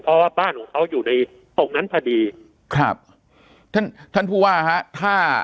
เพราะว่าบ้านของเขาอยู่ในตรงนั้นพอดีครับท่านท่านผู้ว่าฮะถ้า